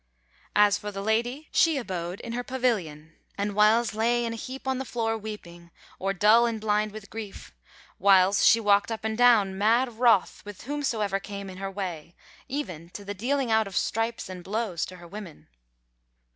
As for the Lady she abode in her pavilion, and whiles lay in a heap on the floor weeping, or dull and blind with grief; whiles she walked up and down mad wroth with whomsoever came in her way, even to the dealing out of stripes and blows to her women.